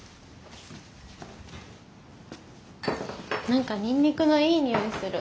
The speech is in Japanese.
何かにんにくのいい匂いがする。